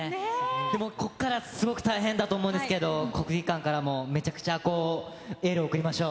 でもここからすごく大変だと思うんですけれども、国技館からもめちゃくちゃエールを送りましょう。